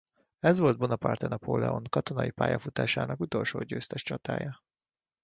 Ez volt Bonaparte Napoléon katonai pályafutásának utolsó győztes csatája.